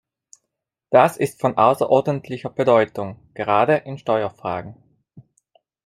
Das ist von außerordentlicher Bedeutung, gerade in Steuerfragen.